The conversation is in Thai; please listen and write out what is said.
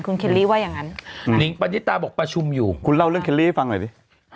คุณเข็ร์ลี่ว่ายังงั้นสวัสดีครับครับคุณเร้าเรื่องเครลี่ฟังหน่อยดิ